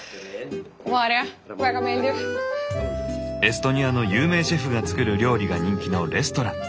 エストニアの有名シェフが作る料理が人気のレストラン。